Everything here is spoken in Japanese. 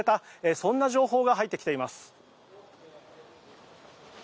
そんな情報が入っています。